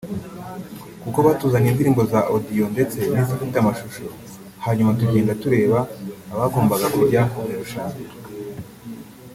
kuko batuzaniye indirimbo za ‘Audio’ ndetse n’izifite amashusho hanyuma tugenda tureba abagomba kujya mu irushanwa